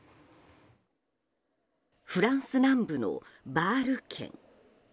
フランス南部のバール県。